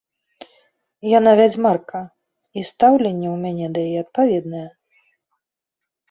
Яна вядзьмарка, і стаўленне ў мяне да яе адпаведнае.